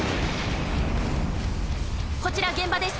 こちら現場です。